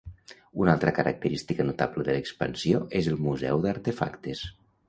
Una altra característica notable de l'expansió és el Museu d'Artefactes.